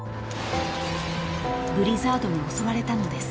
［ブリザードに襲われたのです］